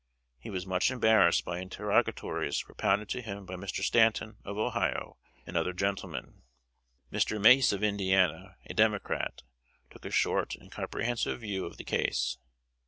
He was much embarrassed by interrogatories propounded to him by Mr. Stanton, of Ohio, and other gentlemen. Mr. Mace, of Indiana, a Democrat, took a short and comprehensive view of the case.